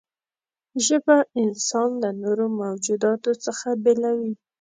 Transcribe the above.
ژبه انسان له نورو موجوداتو څخه بېلوي.